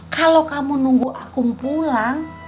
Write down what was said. kalau kamu nunggu aku pulang